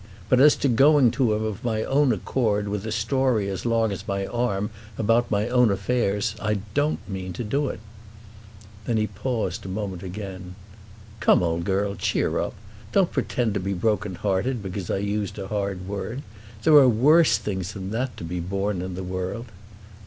But as to going to him of my own accord with a story as long as my arm about my own affairs, I don't mean to do it." Then he paused a moment again. "Come, old girl, cheer up! Don't pretend to be broken hearted because I used a hard word. There are worse things than that to be borne in the world."